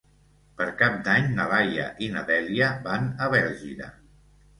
Per Cap d'Any na Laia i na Dèlia van a Bèlgida.